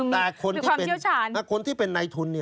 แต่คนที่เป็นในทุน